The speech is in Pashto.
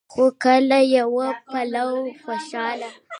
خو که له يوه پلوه خوشال